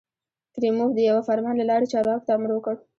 کریموف د یوه فرمان له لارې چارواکو ته امر وکړ.